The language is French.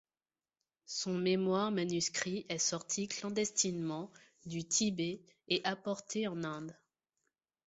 Son mémoire manuscrit est sorti clandestinement du Tibet et apporté en Inde.